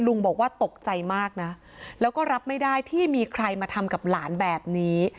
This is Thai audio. ลุงบอกว่าตกใจมากนะแล้วก็รับไม่ได้ที่มีใครมาทำกับหลานแบบนี้